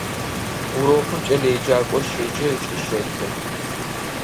Урокым кӏэлэеджакӏор щеджэ ыкӏи щэтхэ.